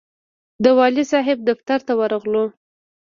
د والي صاحب دفتر ته ورغلو.